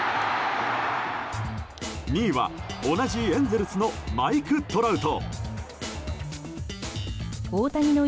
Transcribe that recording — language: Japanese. ２位は同じエンゼルスのマイク・トラウト。